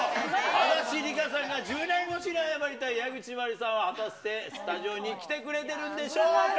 足立梨花さんが１０年越しに謝りたい矢口真里さんは、果たしてスタジオに来てくれてるんでしょうか。